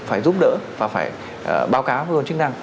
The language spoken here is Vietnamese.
phải giúp đỡ và phải báo cáo vô dụng chức năng